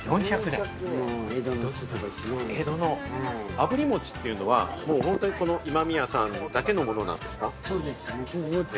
あぶり餅っていうのは、この今宮さんだけのものですか？